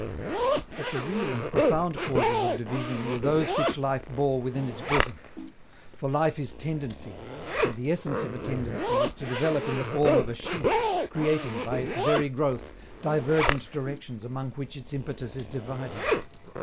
But the real and profound causes of division were those which life bore within its bosom. For life is tendency, and the essence of a tendency is to develop in the form of a sheaf, creating, by its very growth, divergent directions among which its impetus is divided.